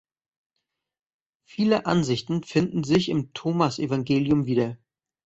Viele Ansichten finden sich im Thomasevangelium wieder.